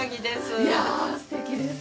いやすてきです。